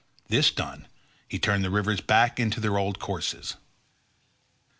This done he turned the rivers back into their old courses.